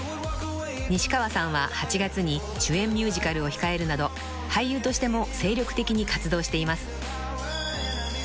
［西川さんは８月に主演ミュージカルを控えるなど俳優としても精力的に活動しています］